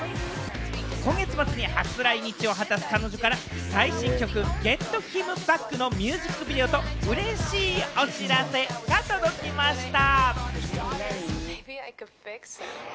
今月末に初来日を果たす彼女から最新曲『ｇｅｔｈｉｍｂａｃｋ！』のミュージックビデオと、うれしいお知らせが届きました。